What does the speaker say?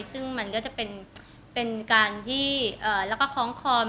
ซึ่งมันก็จะเป็นเป็นการที่เอ่อแล้วก็คล้องคลอม